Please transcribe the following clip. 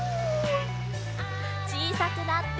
ちいさくなって。